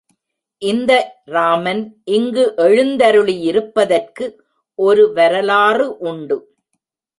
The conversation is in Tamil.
இந்த ராமன் இங்கு எழுந்தருளியிருப்பதற்கு ஒரு வரலாறு உண்டு.